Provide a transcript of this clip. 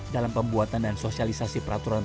dalam pembuatan dan sosialisasi peraturan